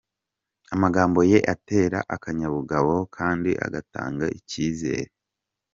Amagambo ye atera akanyabugabo kandi agatanga icyizere.